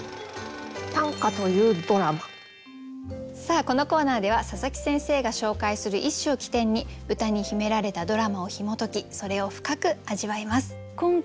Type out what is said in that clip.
さあこのコーナーでは佐佐木先生が紹介する一首を起点に歌に秘められたドラマをひも解きそれを深く味わいます。